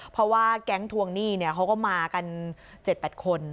เพราะว่าแก๊งทวงหนี้เขาก็มากัน๗๘คน